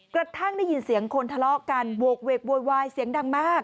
กระทั่งได้ยินเสียงคนทะเลาะกันโหกเวกโวยวายเสียงดังมาก